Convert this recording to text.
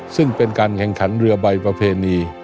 ซึ่งเป็นการแข่งขันเรือใบประเพณี